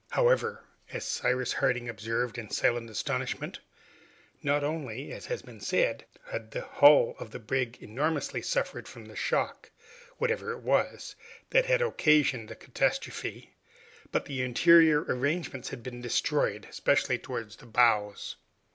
However and Cyrus Harding observed it in silent astonishment not only, as has been said, had the hull of the brig enormously suffered from the shock, whatever it was, that had occasioned the catastrophe, but the interior arrangements had been destroyed, especially towards the bows.